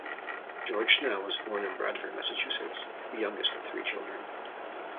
George Snell was born in Bradford, Massachusetts, the youngest of three children.